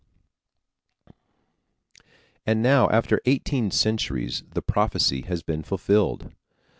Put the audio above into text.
And now after eighteen centuries the prophecy has been fulfilled.